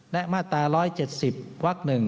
และมาตรา๑๗๐วัก๑